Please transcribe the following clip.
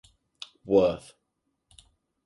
Worth.